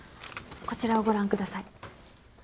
こちらをご覧ください。